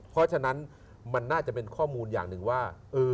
เพราะฉะนั้นมันน่าจะเป็นข้อมูลอย่างหนึ่งว่า